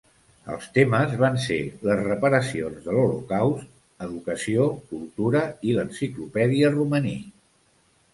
Els temes van ser les reparacions de l'Holocaust, educació, cultura, i l'enciclopèdia romaní.